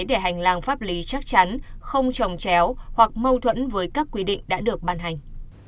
để hành lang pháp lý chắc chắn không trồng chéo hoặc mâu thuẫn với các quy định đã được ban hành